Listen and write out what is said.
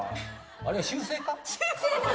あれは修整か？